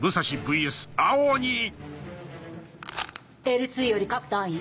Ｌ２より各隊員。